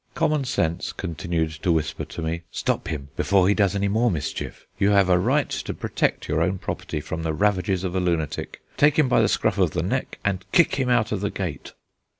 Common sense continued to whisper to me: "Stop him, before he does any more mischief. You have a right to protect your own property from the ravages of a lunatic. Take him by the scruff of the neck, and kick him out of the gate!"